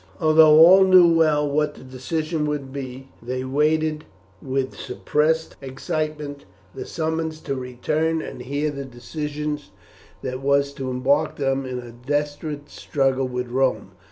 Although all knew well what the decision would be, they waited with suppressed excitement the summons to return and hear the decision that was to embark them in a desperate struggle with Rome.